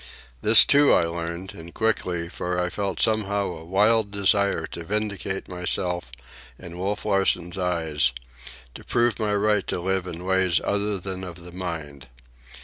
This, too, I learned, and quickly, for I felt somehow a wild desire to vindicate myself in Wolf Larsen's eyes, to prove my right to live in ways other than of the mind.